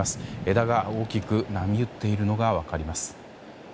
枝が大きく波打っているのが分かります。